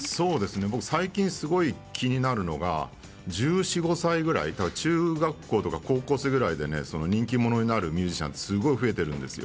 僕、最近すごい気になるのが１４歳１５歳ぐらい中学校とか高校生ぐらいで人気者になるミュージシャンがすごく増えているんですよ。